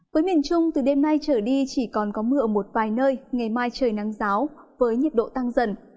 với miền trung từ đêm nay trở đi chỉ còn có mưa ở một vài nơi ngày mai trời nắng giáo với nhiệt độ tăng dần